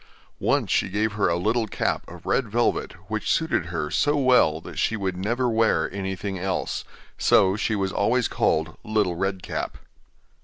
Once she gave her a little cap of red velvet, which suited her so well that she would never wear anything else; so she was always called 'Little Red Cap.